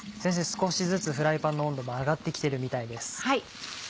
少しずつフライパンの温度も上がって来てるみたいです。